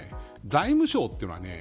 財務省というのはね